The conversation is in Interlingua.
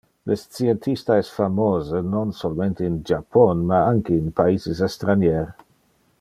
Le scientista es famose non solmente in Japon ma anque in paises estranier.